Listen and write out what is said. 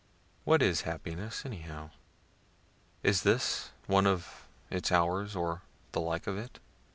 What is happiness, anyhow? Is this one of its hours, or the like of it?